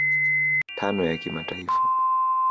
tano ya kimataifa